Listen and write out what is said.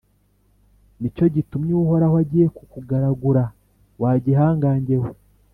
Ni cyo gitumye Uhoraho agiye kukugaragura, wa gihangange we !